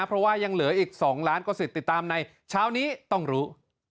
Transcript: เพราะว่ายังเหลืออีก๒ล้านกว่าสิทธิ์ติดตามในเช้านี้ต้องรู้